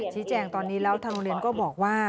ชี้แจงตอนนี้แล้วทางโรงเรียนก็บอกว่า